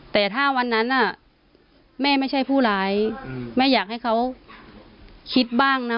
แต่ถ้าวันนั้นแม่ไม่ใช่ผู้ร้ายแม่อยากให้เขาคิดบ้างนะ